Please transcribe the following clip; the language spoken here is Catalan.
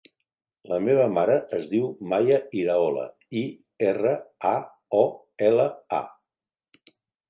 La meva mare es diu Maia Iraola: i, erra, a, o, ela, a.